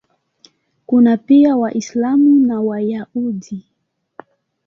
Kuna pia Waislamu na Wayahudi.